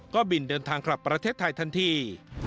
ก็บินเดินทางกลับประเทศไทยทันที